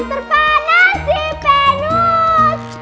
saturnus uranus dan tunas